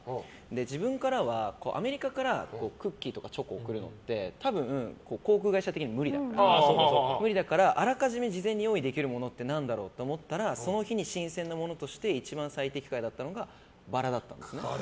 自分からはアメリカからクッキーとかチョコを贈るのって多分航空会社的に無理だからあらかじめ事前に用意できるものって何だろうって思ったらその日に新鮮なものとして一番最適解だったのがバラだったんですよね。